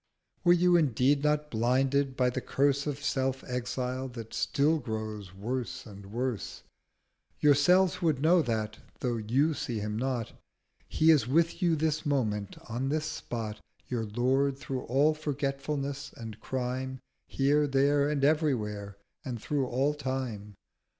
Were you indeed not blinded by the Curse Of Self exile, that still grows worse and worse, Yourselves would know that, though you see him not, He is with you this Moment, on this Spot, 60 Your Lord through all Forgetfulness and Crime, Here, There, and Everywhere, and through all Time.